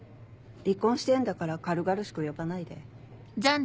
離婚してんだから軽々しく呼ばないで。